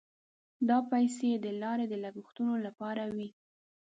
دا پیسې د لارې د لګښتونو لپاره وې.